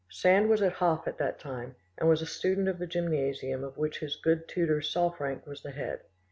Sand was at Hof at that time, and was a student of the gymnasium of which his good tutor Salfranck was the head.